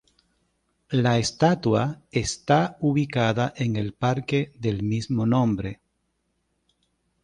La estatua está ubicada en el Parque del mismo nombre.